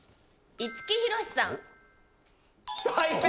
五木ひろしさん。